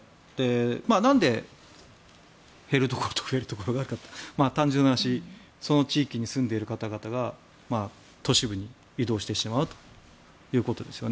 なんで減るところと増えるところがあるかというと単純な話その地域に住んでいる方々が都市部に移動してしまうということですよね。